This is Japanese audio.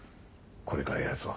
これからやるぞ。